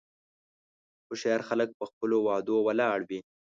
هوښیار خلک په خپلو وعدو ولاړ وي.